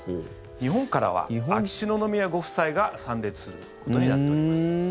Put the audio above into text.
日本からは秋篠宮ご夫妻が参列することになっております。